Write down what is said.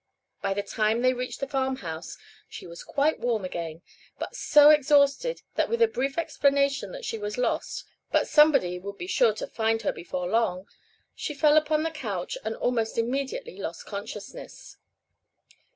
By the time they reached the farm house she was quite warm again, but so exhausted that with a brief explanation that she was lost, but somebody would be sure to find her before long, she fell upon the couch and almost immediately lost consciousness.